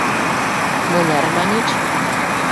- Мыняр маньыч?